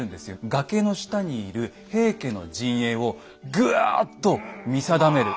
崖の下にいる平家の陣営をぐわっと見定める。